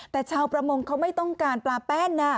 แต่ชาวประมงเขาไม่ต้องการปลาแป้น